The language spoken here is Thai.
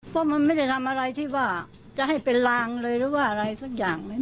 พวกมันไม่ได้ทำอะไรที่บอกจะให้เป็นรางเลยหรือว่าอะไรสุดยังไม่มี